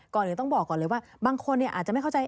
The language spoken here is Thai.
ก่อนอื่นต้องบอกก่อนเลยว่าบางคนอาจจะไม่เข้าใจ